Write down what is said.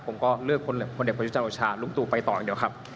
ผมก็เลือกคนเด็กประชาธิปไตยจันโอชาลุกตัวไปต่ออย่างเดียวครับ